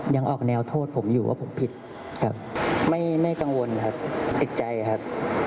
ยังออกแนวโทษผมอยู่ว่าผมผิดครับ